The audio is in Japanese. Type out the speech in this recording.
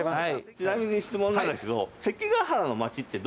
ちなみに質問なんですけど。